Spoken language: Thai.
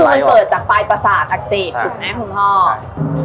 มันเปิดจากปลายประสาคอักเสบ